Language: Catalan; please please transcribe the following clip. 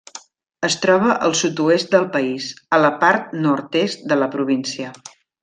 Es troba al sud-oest del país, a la part nord-est de la província.